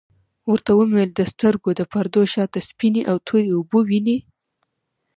ورته ومي ویل د سترګو د پردو شاته سپیني او توری اوبه وینې ؟